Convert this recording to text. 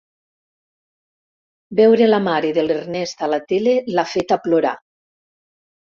Veure la mare de l'Ernest a la tele l'ha feta plorar.